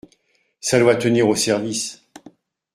Ca doit tenir au service.